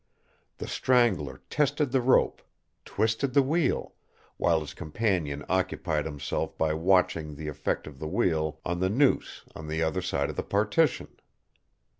The Strangler tested the rope, twisted the wheel, while his companion occupied himself by watching the effect of the wheel on the noose on the other side of the partition.